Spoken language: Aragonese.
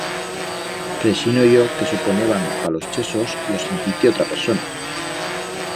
Preixino yo que suponeban pa los chesos lo sintir-te otra persona.